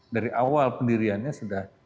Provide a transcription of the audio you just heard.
dari awal pendiriannya sudah